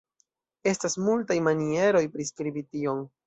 Estas multaj manieroj priskribi tion.